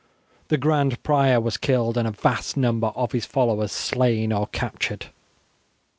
The Grand Prior was killed and a vast number of his followers slain or captured.